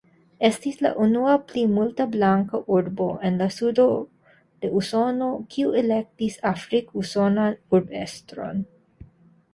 Estis la unua plimulta-blanka urbo en la Sudo de Usono kiu elektis afrik-usonan urbestron.